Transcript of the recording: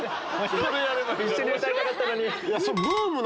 一緒に歌いたかったのに。